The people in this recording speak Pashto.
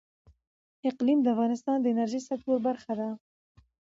اقلیم د افغانستان د انرژۍ سکتور برخه ده.